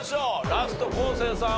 ラスト昴生さん